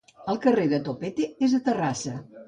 El carrer de Topete és a Terrassa